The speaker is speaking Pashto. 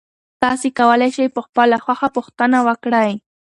تاسي کولای شئ په خپله خوښه پوښتنه وکړئ.